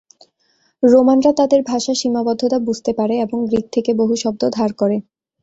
রোমানরা তাদের ভাষার সীমাবদ্ধতা বুঝতে পারে এবং গ্রিক থেকে বহু শব্দ ধার করে।